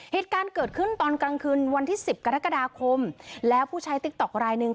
เหตุการณ์เกิดขึ้นตอนกลางคืนวันที่สิบกรกฎาคมแล้วผู้ใช้ติ๊กต๊อกรายหนึ่ง